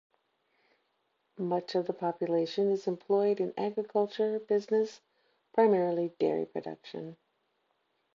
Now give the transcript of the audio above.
Much of the population is employed in agriculture business, primarily dairy production.